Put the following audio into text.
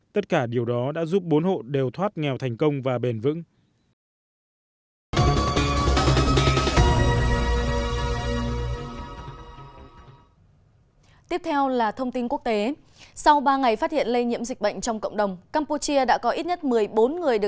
tất cả điều đó đã giúp bốn hộ đều thoát nghèo thành công và bền vững